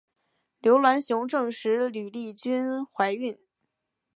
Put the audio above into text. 刘銮雄证实吕丽君怀孕。